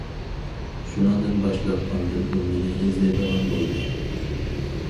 شۇنىڭدىن باشلاپ ئاندىن ئۇ مېنى ئىزدەيدىغان بولدى.